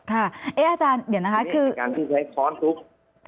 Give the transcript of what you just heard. นี่เป็นการที่ใช้ค้อนทุบ